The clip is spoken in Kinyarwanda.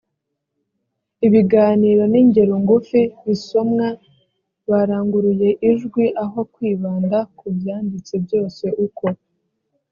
ibiganiro n ingero ngufi bisomwa baranguruye ijwi aho kwibanda ku byanditse byose uko